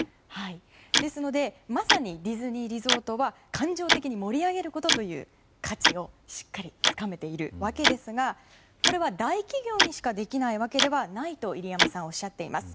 ですので、まさにディズニーリゾートは感情的に盛り上げることという価値をしっかりつかめているわけですがこれは大企業にしかできないわけではないと入山さんはおっしゃっています。